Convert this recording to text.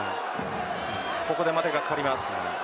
ここで、待てがかかります。